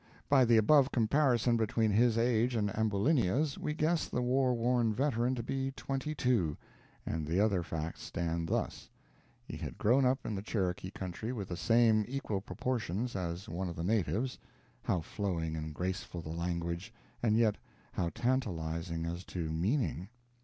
By the above comparison between his age and Ambulinia's, we guess the war worn veteran to be twenty two; and the other facts stand thus: he had grown up in the Cherokee country with the same equal proportions as one of the natives how flowing and graceful the language, and yet how tantalizing as to meaning!